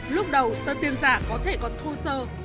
lúc đầu tên tiền giả có thể còn thô sơ